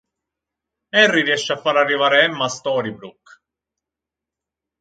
Henry riesce a far arrivare Emma a Storybrooke.